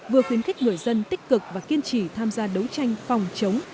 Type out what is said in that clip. vừa khuyến khích người dân tích cực và kiên trì tham gia đấu tranh phòng chống